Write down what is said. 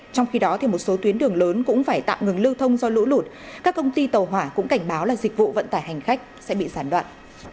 trong khi đó một số tuyến đường lớn cũng phải tạm ngừng lưu thông do lũ lụt các công ty tàu hỏa cũng cảnh báo là dịch vụ vận tải hành khách sẽ bị sản đoạn